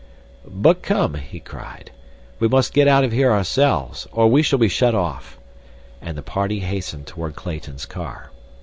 "But come," he cried, "we must get out of here ourselves, or we shall be shut off," and the party hastened toward Clayton's car.